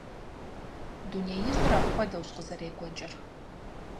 Дунеижьыр апхуэдэущ къызэрекӀуэкӀыр.